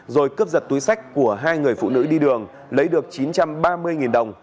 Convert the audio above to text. rồi cướp giật túi sách của hai người phụ nữ đi đường lấy được chín trăm ba mươi đồng